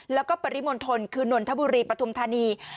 แล้วก็ปริมณฑลคือนนทบุรีปฐุมธานี